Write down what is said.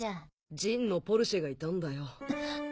ジンのポルシェがいたんだよ。